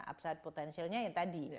upside potentialnya yang tadi